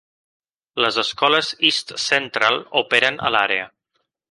Les escoles East Central operen a l'àrea.